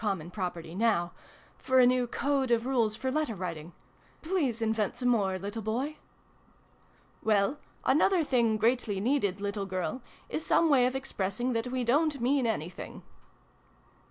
117 common property now for a new Code of Rules for Letter writing ! Please invent some more, little boy !"" Well, another thing greatly needed, little girl, is some way of expressing that we dorit mean anything."